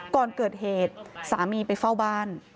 ก่อนเกิดเหตุสามีไปเฝ้าบ้าน